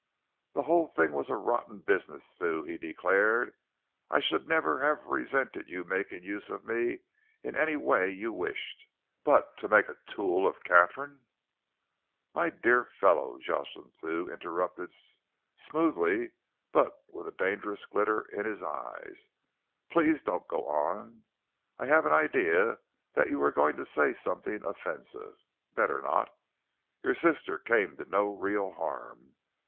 "The whole thing was a rotten business, Thew," he declared. "I should never have resented your making use of me in any way you wished, but to make a tool of Katharine " "My dear fellow," Jocelyn Thew interrupted, smoothly but with a dangerous glitter in his eyes, "please don't go on. I have an idea that you were going to say something offensive. Better not. Your sister came to no real harm.